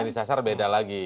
yang disasar beda lagi